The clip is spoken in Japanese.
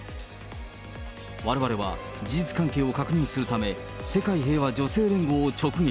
われわれは、事実関係を確認するため、世界平和女性連合を直撃。